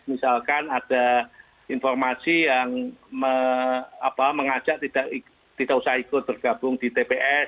misalkan ada informasi yang mengajak tidak usah ikut bergabung di tps